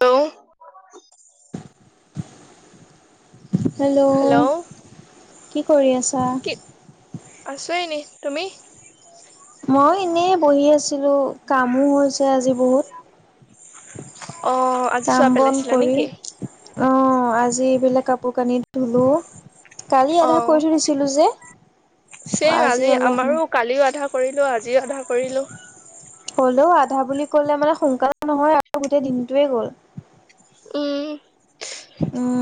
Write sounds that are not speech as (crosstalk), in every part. টো (unintelligible) হেল্ল' কি কৰি আছা? কি আছো এনে তুমি? মই এনেই বহি আছিলো কামো হৈছে আজি বহুত। অ আজি চোৱা কাম বন পেলাইছিলা কৰি নেকি অ', আজি বোলে কাপোৰ কানি ধুলো। কালি অ এধা কৈ থৈ দিছিলো যে ছেম আজি অলপ আমাৰো কালিও আধা কৰিলো আজি আধা কৰিলো। হ'লেও আধা বুলি কলে মানে সোনকালে নহয় আৰু গোটেই দিনটোৱে গ'ল। উম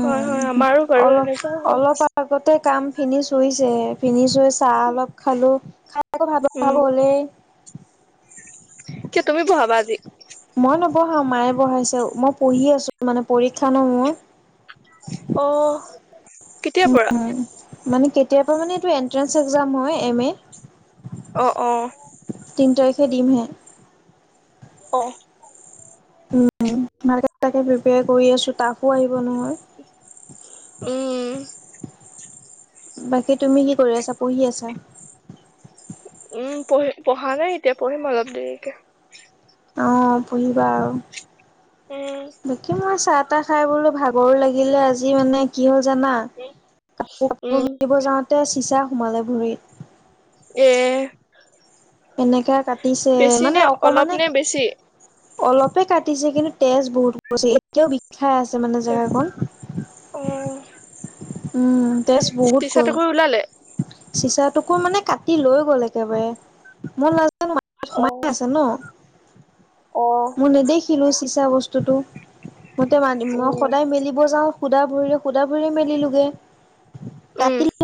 হয় হয় আমাৰো বাৰু অলপ এনেকুৱা হ'ল অলপ আগতে কাম ফিনিচ হৈছে। পিন্ধিছুই চাহ অলপ খালো খাই আকৌ ভাত বভাব হ'লেই কি তুমি বভাবাবা আজি। মই নবঢ়াও মায়ে বঢ়াইছে মই পঢ়ি আছো মানে পৰীক্ষা ন মোৰ। অ', কেতিয়াৰ পৰা মানে কেতিয়াবা মানে এইটো এনট্ৰেন্ঞ্চ এক্সাম হয় এম এ অ', অ'। খেদিমহে। অ', উম, (inaudible) প্ৰিপেৰ কৰি আছো ত' পঢ়িব উম নহয়। বাকী তুমি কি কৰি আছা পঢ়ি আছা? উম, পঢ়ি পঢ়া নাই এতিয়া পঢ়িম অলপ দেৰিকে। অ', পঢ়িবা আৰু উম বিকি মই চাহ তাহ খাই বলৈ ভাগৰো লাগিলে আজি মানে কি হ'ল জানা কাপোৰ কাপোৰ উম মিলিব যাওঁতে চিচা সোমালে ভৰিত। এ এনেকাে কাটিছে বেছি মানে নে অলপ অকমানে নে বেছি অলপে কাটিছে কিন্তু তেজ বহুতছে এতিয়াও খাই আছে মানে জেগাকণ অ উম, তেজ বহুত গ'ল। চিচাটোকো ওলালে চুচৰাটোকো মানে কাটি লৈ গ'ল একেবাৰে, মোৰ লাজ অ সোমাই আছে ন' অ মই নেদেখিলো চিচা বস্তু সেইটো (unintelligible) মই উম সদায় মেলিব যাওঁ, সুধা ভৰিৰে সুধা ভৰিৰে মেলিলো হে, উম (unintelligible)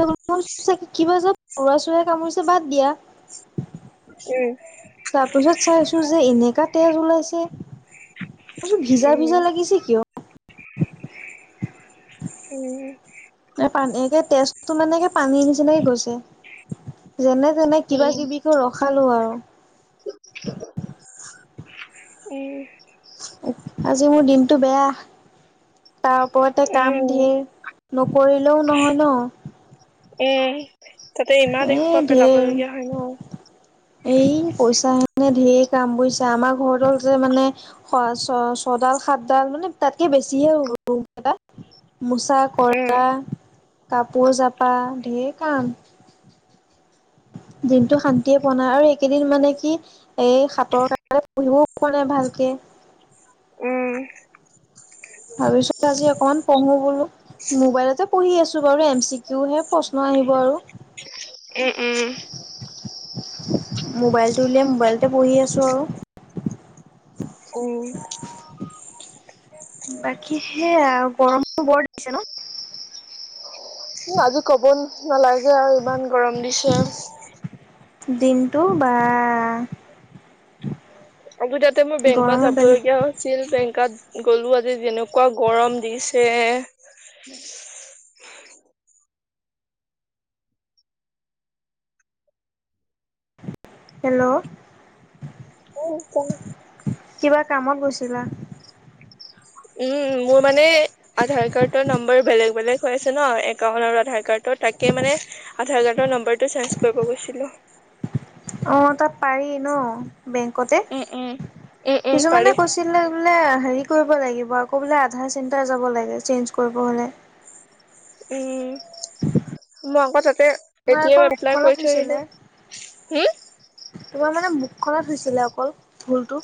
লৰা চোৱায় কামুৰিছে বাদ দিয়া। উম, তাৰ পিছত চাইছো যে এনেকা তেজ ওলাইছে। কচোন ভিজা উম, ভিজা লাগিছে কিয়? উম, পানীে তেজটো মানে পানীৰ নিচিনাকে গৈছে। যেনে তেনে উম, কিবা কিবি কৰি ৰখালো আৰু। উম, আজি মোৰ দিনটো বেয়া। তাৰ ওপৰতে কাম উম। ধেৰ নকৰিলেও নহয় ন। উম, তাতে ইমান এ এসোপা পেলাব ধেৰ লগীয়া হয় ন। এই পইচাে (unintelligible) ধেৰ কাম বুজিছা আমাৰ ঘৰ তল যে মানে খৰচ চৰচ সদায় সাতডাল মানে তাতকে বেছি হে হ'ব ৰূম কেইটা, মোচা উম, কৰা কাপোৰ জাপা ঢেৰ কাম। দিনটো শান্তিয়ে পোৱা নাই আৰু এইকেইদিন মানে কি এই হাতৰ কাৰণে পঢ়িবও পোৱা নাই ভালকে। উম, ভাবিছো আজি অকমান পঢ়ো বোলো। মোবাইলতে পঢ়ি আছোঁ বাৰু এম চি কিউহে প্ৰশ্ন আহিব আৰু। উম, উম, মোবাইলটো উলিয়াই মোবাইলতে পঢ়ি আছোঁ আৰু। উম, বাকী সেয়া গৰমটো বৰ দিছে ন? কি আজি কব নালাগে আৰু ইমান গৰম দিছে। দিনটো বাহ। আকৌ তাতে মোৰ বেংকত যাব লগীয়া আছিল বেং গাত গলো আজি যেনেকুৱা গৰম দিছে। (inaudible) হেল্ল' কিবা কামত গৈ ছিলা উম, মোৰ মানে আধাৰ কাৰ্ডৰ নম্বৰ বেলেগ বেলেগ হৈ আছে ন' একাউণ্ট আৰু আধাৰ কাৰ্ডত। তাকে মানে আধাৰ কাৰ্ডৰ নম্বৰটো চেঞ্জ কৰিব গৈছিলোঁ। (inaudible) অ', তাত পাৰি ন? বেংকতে উম, উম, উম, উম, পাৰি। কিছুমানে কৈছিলে বোলে হেৰি কৰিব লাগিব আকৌ বোলে আধাৰ চেণ্টাৰ যাব লাগে চেঞ্জ কৰিব হ'লে। উম মই আকৌ তাতে আোমাৰ এতিয়াই অককল এপ্লাই কৰি উখলত থৈ আহিলো। হৈছিলে হুম, তোমাৰ মানে মুখ খনত হৈছিলে অকল ভুলটো।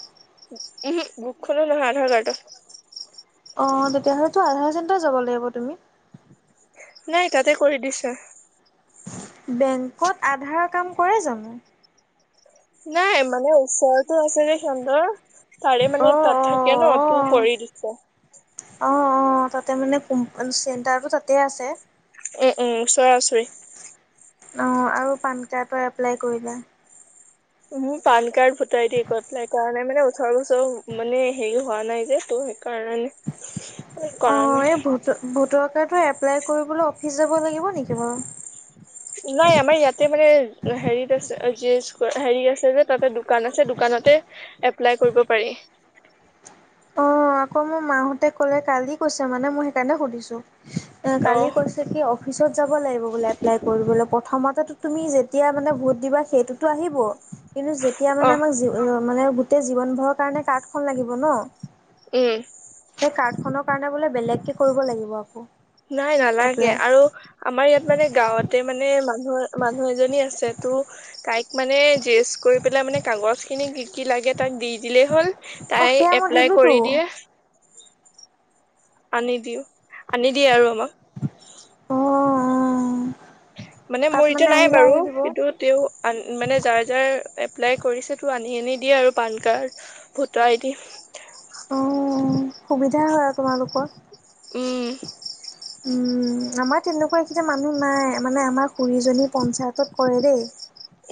উম, বুক খনো নহয় আধাৰ কাৰ্ডৰ। অ', তেতিয়া হ'লেতো আধাৰ চেণ্টাৰ যাব লাগিব তুমি। নাই তাতে কৰি দিছে। বেংকত আধাৰৰ কাম কৰে জানো? নাই মানে ওচৰটো আছে যে সিুন্দৰ তাৰে মানে অঁ তাত অঁ থাকে ন তোৰ কৰি দিছে। অ, অ তাতে মানে কোম চেণ্টাৰটো তাতে আছে। উম, উম, ওচৰা ওচৰি। অঁ আৰু পান কাৰ্ডৰ এপ্লাই কৰিলা? মোৰ পান কাৰ্ড ভুটাই দিিয়ে কতলাই কাৰণে মানে ওচৰ ওছৰ মানে হেৰি হোৱা নাই যে তোৰ। সেই কাৰণে। অঁ এই ভোটাৰ কাৰ্ডটো এপ্লাই কৰিবলৈ অফিচ যাব লাগিব নেকি বাৰু। নাই আমাৰ ইয়াতে মানে হেৰিত আছে হেৰিত আছে যে তাতে দোকান আছে দোকানতে এপ্লাই কৰিব পাৰি। অ আকৌ মোৰ মাহঁতে কলে কালি কৈছে মানে মই সেইকাৰণে সুধিছো এ কালি অ', কৈছে কি অফিচত যাব লাগিব বোলে এপ্লাই কৰিবলৈ প্ৰথমত তুমি যেতিয়া মানে ভোট দিবা সেইটোতো আহিব, কিন্তু যেতিয়া মানে অ', আমাক মানে গোটেই জীৱনভৰৰ কাৰণে কাৰ্ডখন লাগিব ন। উম। সেই কাৰ্ড খনৰ কাৰণে বোলে বেলেগ কেে কৰিব লাগিব আকৌ। নাই নালাগে এপ্লাই আৰু আমাৰ ইয়াত মানে গাঁওঁতে মানে মানু মানুহ এজনী আছে তো তাইক মানে জেচ কৰি পেলাই মানে কাগজ খিনি কি কি লাগে তাক দি দিলেই হ'ল অঁ তাই সেয়া মই এপ্লাই দিলোঁতো কৰি দিয়ে। আনি দিও আনি দিয়ে আৰু আমাক। অঁ অঁ মানে তাত মোৰ এতিয়া নাই আহিলে আহি বাৰু দিব কিন্তু তেওঁ আন মানে যাৰ যাৰ এপ্লাই কৰিছে তো আনি আনি দিয়ে আৰু PAN card voter I D. স হয় তোমালোকৰ। উম। উম, উ, আমাৰ তেনেকুৱাকেইটা মানুহ নাই মানে আমাৰ খুুৰী জনী পঞ্চায়তত কৰে দেই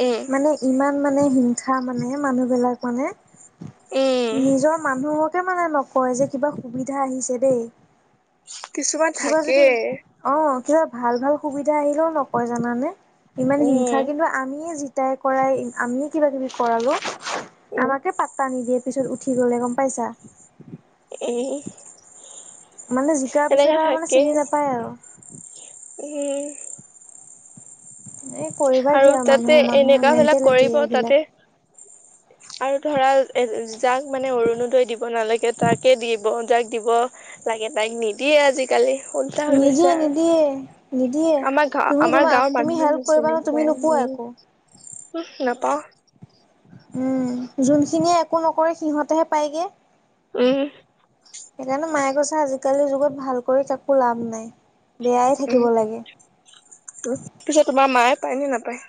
উম মানে ইমান মানে হিংসা মানে মানুহবিলাক মানে উম নিজৰ মানুহকে মানে নকয় যে কিবা সুবিধা আহিছে দেই কিছুমান কিবা থাকে। যদি অ কিবা ভাল ভাল সুবিধা আহিলেও নকয় জানানে ইমান উম হিংসা কিন্তু আমিয়ে াই কৰাই আমিয়ে কিবা কিবি কৰালো উম আমাকে পাত্তা নিদিয়ে পিছত উঠি গলে গম পাইছা। উম মানে জিকাৰ পিছত এনেকা আৰু মানে থাকে চিনি নাপায় আৰু। উম, এই কৰিবা কি আৰু তাতে মানুহৰ মানুহৰ এনেকা বিলাক মেণ্টেলিটি কৰিব এইবিলাক। তাতে আৰু ধৰা যাক মানে অৰুণোদয় দিব নালাগে তাকে দিব যাক দিব লাগে তাক নিদিয়ে আজিকালি। ল্টা হৈ গৈছে নিদিয়ে আৰু নিদিয়ে নিদিয়ে আমাৰ গা তুমি আমাৰ তোমাক গাঁৱৰ তুমি মানুহো হেল্প কৰিবা হৈছে ন নেকি তুমি নোপোৱা উম, একো উম, নাপাও। উম, যোনখিনিয়ে একো নকৰে সিহঁতেহে পায়গে অ, সেইকাৰণে মায়ে কৈছে আজিকালিৰ যুগত ভাল কৰি কাকো লাভ নাই। বেয়াই উম, থাকিব লাগে পিছেত তোমাৰ মায়ে পায় নে নাপায়।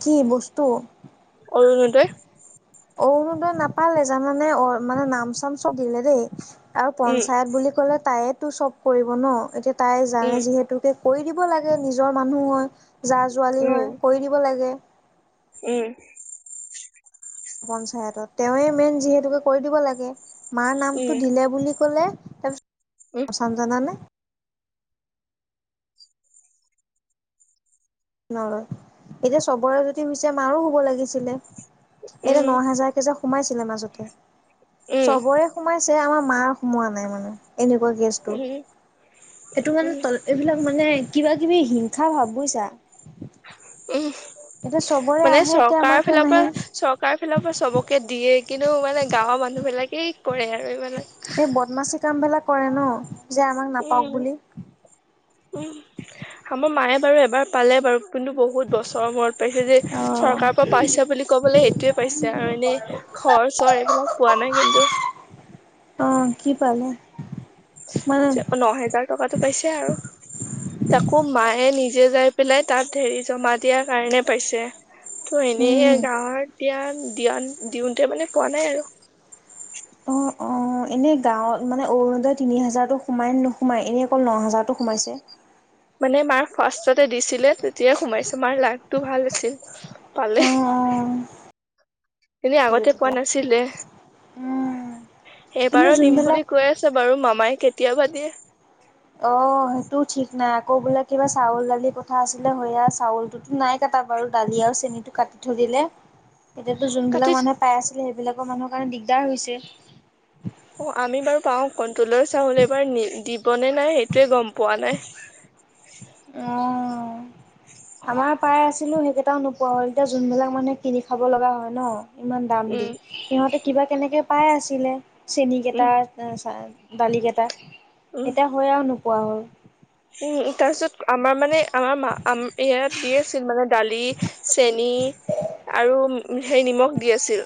কি বস্তু? অৰুণোদয়। অৰুনোদয় নাপালে জানানে অ মানে নাম চাম চব দিলে দেই। আৰু উম পঞ্চায়ত বুলি ক'লে তাইয়েতো চব কৰিব ন এতিয়া তাই উম জানে যিহেতুকে কৰি দিব লাগে নিজৰ মানুহ হয় যা ছোৱালি উম হয় কৰি দিব লাগে। উম, পঞ্চায়তত তেওঁৱে মেইন যিহেতুকে কৰি দিব লাগে মাৰ উম নামতটো দিলে বুলি খলে উম উম তাৰপিছতচান জানে নলয় এতিয়া চবৰে যদি হৈছে মাৰো হব লাগিছিলে। এতিয়া ন হাজাৰ কেইজ সোমাইছিলে মাজতে উম চবৰে সোমাইছি। মানে আমাৰ মাৰ সোমোৱা নাই মানে। এনেকুৱা গেছটো উম এইটো মানে উম তল এইবিলাক মানে। কিবা কিবি হিংসা ভাব বুজিছা। উম। চবৰে মানে আহে এতিয়া আমাৰ চৰকাৰ কিয় ফালৰ পৰা নাহে। চৰকাৰ ফালৰ পৰা চবকে দিয়ে। কিন্তু মানে গাঁৱৰ মানুহ বিলাকেই কৰে আৰু এইবিলাক। এই বদমাচি কাম বিলাক কৰে নহ। উম, উম, আমাৰ মায়ে বাৰু এবাৰ পালে বাৰু। কিন্তু বহুত বছৰৰ মূৰত পাইছে যে অ', চৰকাৰৰ পৰা পাইছে বুলি ক'বলৈ সেইটোয়ে পাইছে আৰু এনেই। ঘৰ চৰ এইবিলাক পোৱা নাই কিন্তু। অ, কিবা। ন হেজাৰ টকাটো পাইছে আৰু তাকো মায়ে নিজ। নিজে যাই পেলাই তাত হেৰি জমা দিয়াৰ কাৰণে পাইছে। ত' উম। এনেই গাঁৱত এতিয়া দিয়া দিওঁতে মানে পোৱা নাই আৰু। অ, অ। অ, এনেই গাঁৱত মানে অৰুণোদয় তিনি হাজাৰতো সোমাই নোসোমাই এনেই অকল ন হাজাৰতো সোমাইছে। মানে মাৰ ফাৰ্ষ্টতে দিছিলে তেতিয়াই সোমাইছো মাৰ লাকটো ভাল আছিল। পালে। এনেই আগতে পোৱা তেতিয়া নাছিলে। কিন্তু এইবাৰো দিম যোনবিলাক বুলি কৈ আছে বাৰু মামাই কেতিয়াবা দিয়ে। অ, সেইটো ঠিক নাই আকৌ বোলে কিবা চাউল দালি কথা আছিলে সয়া চাউলটোতো নাই কাট। কটা বাৰু দালি আৰু চেনিটো কাটি থৈ দিলে। এতিয়াতো যোনবিলাক কাটি মানুহে পাই আছিলে সেইবিলাকৰ মানুহৰ কাৰণে দিগদাৰ হৈছে। অ আমি বাৰু পাওঁ কণ্ট্ৰলৰ চাউল এইবাৰ দিবনে নাই সেইটোৱে গম পোৱা নাই। (unintelligible) অহ। ছিলো সেইকেইটাও নোপোৱা হ'ল, এতিয়া যোনবিলাক মানুহে কিনি খাব লগা হয় নহ। ইমান দাম দি, উম সিহঁতে কিবা কেনেকৈ পাই আছিলে উম চেনীকেইটা। দালিকেইটা উম এতিয়া হৈ আৰু নোপোৱা হ'ল। উম তাৰপিছত আমাৰ মানে আমাৰ মা, আম ইয়াত দি আছিল মানে দালি। চেনী আৰু হেৰি নিমখ দি আছিল।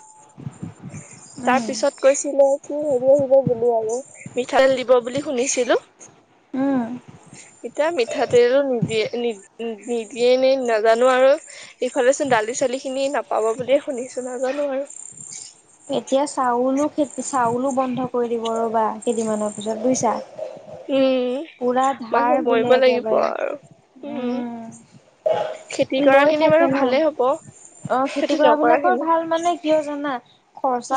তাৰ উম পিছত কৈছিলে, কি। আহিব বুলি আৰু মিঠাইতেল দিব বুলি শুনিছিলো। উম। এতিয়া মিঠাতেলো নিদিয়ে নি নিদিয়ে নে নাজানো আৰু। ইফালে চোন দালি চালি খিনি নাপাব বুলিয়ে শুনিছো নাজানো আৰু। এতিয়া চাউলো খে চাউলো বন্ধ কৰি দিব ৰ'বা কেইদিনমানৰ পিছত বুজিছা। উম পুৰা ধাৰ মানুহ বোলে মৰিব লাগিব একেবাৰে আৰু উম। উম খেতি লৈ কৰাখিনি থাকে বাৰু ন ভালে হ'ব। অ খেতি কৰা নকৰা বিলাকৰ খিনি ভাল মানে কিয় জানা,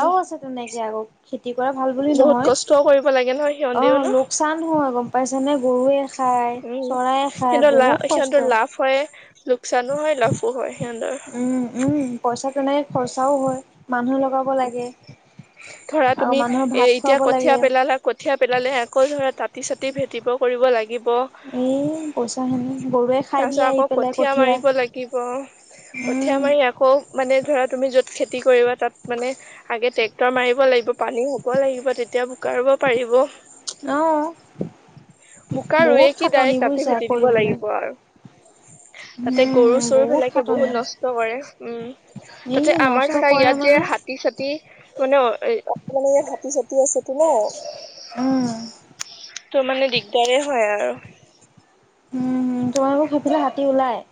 উম আছে তেনেকে আকৌ। খেতি কৰা ভাল বুলি বহুত নহয়, কষ্টও কৰিব লাগে নহয় অ সিহঁতেও ন লোকচান নহয় গম পাইছানে গৰুৱে। খায়, চৰায়ে খায় উম'সিহৰ বহুত লাভ কষ্ট। সিহঁতৰ লাভ হয়, লোকচানো হয় লাভো হয়। সিহঁতৰ উম'উম পইচাটো নাই খৰচাও হয় মানুহে লগাব লাগে, ধৰা আৰু তুমি মানুহৰ এ ভাত এতিয়া খুৱাব কঠিয়া লাগে, পেলালা কঠিয়া পেলালে আকৌ ধৰা তাত। পিছতে ভেটিব কৰিব লাগে। অ পইচা খিনি। তাৰ পিছত আকৌ কঠীয়া মাৰিব লাগিব, কঠিয়া উম, মাৰি আকৌ মানে, ধৰা তুমি য'ত খেতি কৰিবা তাত, মানে আগে ট্ৰেক্টৰ মাৰিব লাগিব, পানী হ'ব লাগিব তেতিয়া। কৰিব পাৰিব। অ', বোকা বহুত ৰুয়ে কি খাটনি ডাইৰেক্ট কাটি বুজিছা ভেটি দিব কৰিবলে। লাগিব আৰু, তাতে গৰু- উম, চৰু ফিলাকে বহুত খাটনি, নষ্ট কৰে উম, এই তাতে আমাৰ নষ্ট ধৰা কৰে ইয়াত যে মানে হাতী চতি মানে অানে ইয়াত হাতী- চতি আছেো ন? অ' উম, তো মানে দিগদাৰে হয় আৰু, তোমাৰ মোক সেইফিলে হাতী ওলাই।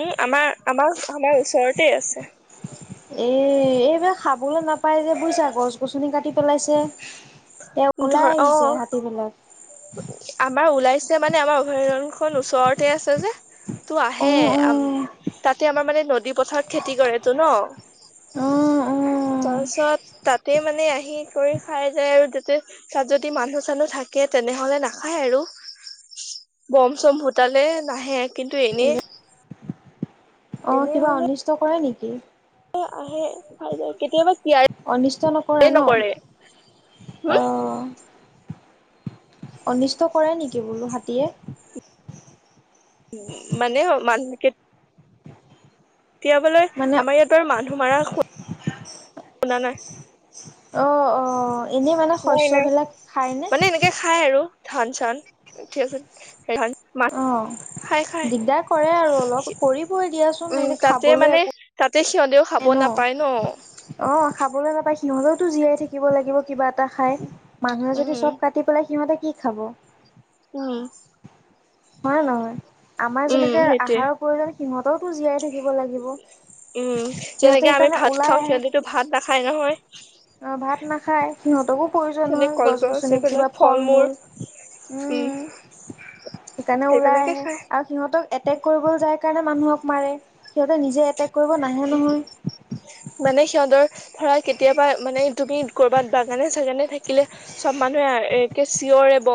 উম আমাৰ আমাৰ আমাৰ, ওচৰতে আছে। এ এইবাৰ খাবলৈ নাপাই, যে বুজিছা গছ গছনি কাটি পেলাইছে। তেওঁ ধৰ ওলাই অ আহিছে হাতী বিলাক, আমাৰ ওলাইছে মানে, আমাৰ অভয়াৰ্যখনন ওচৰতে আছে যে। তটো আহেম, তাতে আমাৰ মানে নদী পথাৰত খেতি কৰেতটো ন। (inaudible) অ' চত ত, তাতে, মানে আহি কৰি খাই যায় আৰু যাতে তাত যদি মানুহ চানুহ থাকে তেনেহলে নাখায় আৰু, বম চম ভুটালে নাহে কিন্তু এনেই। অ এনে কিবা হলে অনিষ্ট কৰে নেকি? কেতিয়াবা। কেয়াৰে অনিষ্ট নকৰে ন? হম অ' অনিষ্ট কৰে নেকি বোলো হাতীয়ে? উ মানে মানুহ দতিয়াবলৈ মানে আমাৰ ইয়তৰ মানুহ মাৰ শুনা, নাই। অ' অ' নাই নাই মানে এনেকে খাই আৰু ধান চান ক্ৰিয়া চথিয়া আছে খ ম অঁ খাই খাই দিগদাৰ কৰে আৰু অলপ কৰিবই দিয়াচোন উম এনে তাতে খাবলৈ মানে একো তাতে সিহঁতেও খাব ন নাপায় ন অ খাবলৈ নাপায় সিহঁতে। জীয়াই থাকিব লাগিব কিবা এটা খাই। মানুহে যদি উম চব কাটি পেলাই সিহঁতে কি খাব। উম হয়ে নহয় আমাৰ উম যেনেকে সেইটোৱে আহাৰৰ প্ৰয়োজন সিহঁতেও তো জীয়াই থাকি। লাগিব উম যেনেকে সিহঁতে আমি সেইকাৰণে ভাত ওলাই খাওঁ আহে সিহঁতেতো ভাত নাখায় নহয় অ ভাত নাখায়। সিহঁতকো প্ৰয়োজন সিহঁতে হয়, গছ কলগছ গছনিত কিবা এইবিলাক ফল মূল। উম, সেইকাৰণে ওলাই সেইবিলাকে আহে খায় আৰু সিহঁতক এটেক কৰিবলৈ যায়। সেকাৰণে মানুহক মাৰে সিহঁতে নিজে এটেক কৰিব নাহে নহয়। মানে সিহঁতৰ ধৰা কেতিয়াবা মানে তুমি ক'বাত বাগানে চাগানে থাকিলে চ'ব মানুহে এ। কে চিঞৰ এব।